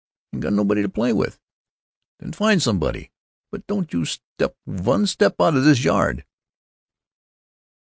"I ain't got nobody to play with." "Then find somebody. But don't you step vun step out of this yard."